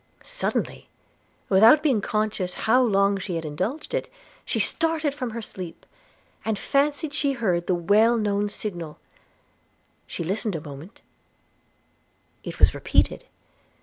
Suddenly, without being conscious how long she had indulged it, she started from her sleep, and fancied she heard the well known signal: she listened a moment; it was repeated.